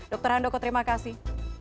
dokter handoko terima kasih